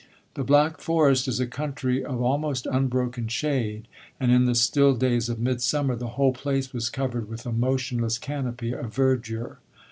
The Black Forest is a country of almost unbroken shade, and in the still days of midsummer the whole place was covered with a motionless canopy of verdure.